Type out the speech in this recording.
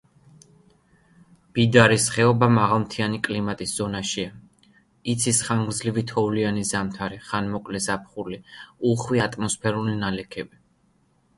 ბიდარის ხეობა მაღალმთიანი კლიმატის ზონაშია, იცის ხანგრძლივი თოვლიანი ზამთარი, ხანმოკლე ზაფხული, უხვი ატმოსფერული ნალექები.